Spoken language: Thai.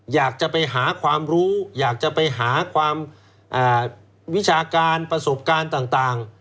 อยากจะไปหาความรู้อยากจะไปหาความวิชาการประสบการณ์ต่าง